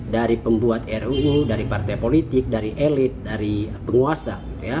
dari pembuat ruu dari partai politik dari elit dari penguasa